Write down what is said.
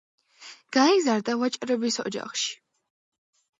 გაიზარდა ვაჭრების ოჯახში.